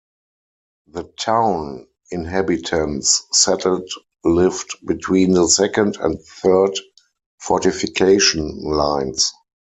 The town inhabitants settled lived between the second and third fortification lines.